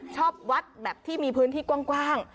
ชอบวัดแบบที่มีพื้นที่กว้าง